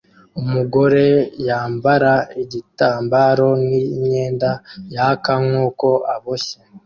Umugore yambara igitambaro n imyenda yaka nkuko aboshye